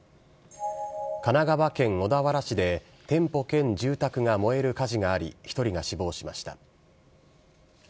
神奈川県小田原市で店舗兼住宅が燃える火事があり、１人が死亡しました。